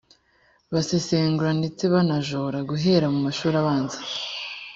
basesengura ndetse banajora guhera mu mashuri abanza